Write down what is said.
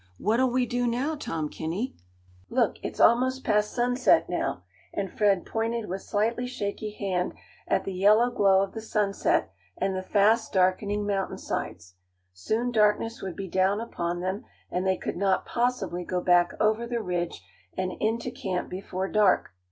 "What'll we do now, Tom Kinney? Look, it's almost past sunset now," and Fred pointed with slightly shaky hand at the yellow glow of the sunset and the fast darkening mountainsides. Soon darkness would be down upon them, and they could not possibly go back over the Ridge and into camp before dark.